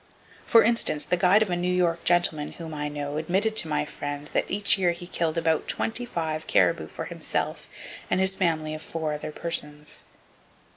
For instance, the guide of a New York gentleman whom I know admitted to my friend that each year he killed "about 25" caribou for himself and his family of four other persons.